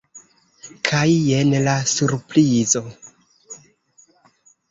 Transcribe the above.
Kaj jen la surprizo!